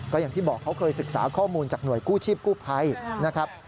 ก็อย่างที่บอกเขาเคยศึกษาข้อมูลจากหน่วยกู้ชีพกู้ภัยนะครับ